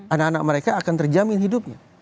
anak anak mereka akan terjamin hidupnya